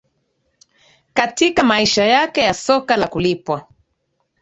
Katika maisha yake ya soka la kulipwa